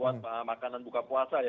bersama juga buat makanan buka puasa ya